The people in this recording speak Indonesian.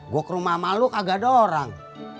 gua ke rumah ama lu kagak ada orang